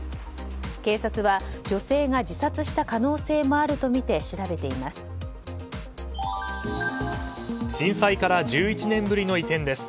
警察は女性が自殺した可能性もあるとみて調べています。